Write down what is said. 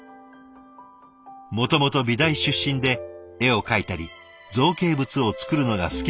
もともと美大出身で絵を描いたり造形物を作るのが好きだった中村さん。